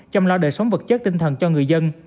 chăm lo đời sống vật chất tinh thần cho người dân